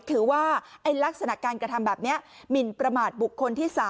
ลักษณะการกระทำแบบนี้หมินประมาทบุคคลที่๓